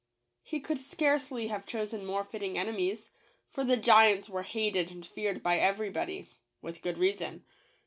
He could scarcely JACK THE GIANT KILLER. have chosen more fitting enemies ; for the giants were hated and feared by everybody, with good reason.